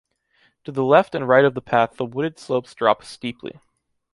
To the left and right of the path the wooded slopes drop steeply.